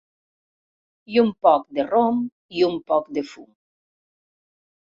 I un poc de rom i un poc de fum.